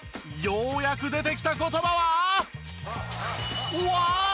ようやく出てきた言葉は。